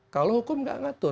kalau hukum tidak ngatur